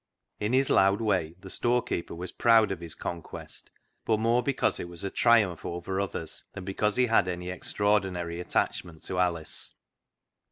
In his loud way the storekeeper was proud of his conquest, but more because it was a triumph over others than because he had any extraordinary attachment to Alice.